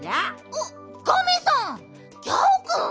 おっガメさんギャオくん。